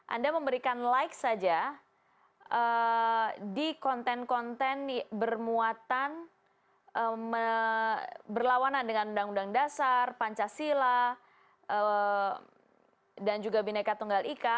anda memberikan like saja di konten konten bermuatan berlawanan dengan undang undang dasar pancasila dan juga bineka tunggal ika